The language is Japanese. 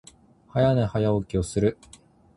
早寝、早起きをする。